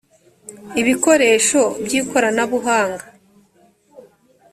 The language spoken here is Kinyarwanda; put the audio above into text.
ibikoresho by ikoranabuhanga